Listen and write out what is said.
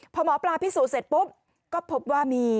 พอหมอปลาพิสูจน์เสร็จปุ๊บก็พบว่ามี